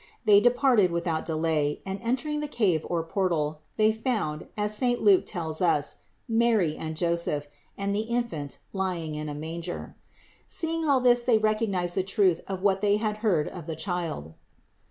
They departed without delay and entering the cave or portal, they found, as saint Luke tells us, Mary and Joseph, and the Infant lying in a manger. Seeing all this they recognized the truth of what they had heard of the Child.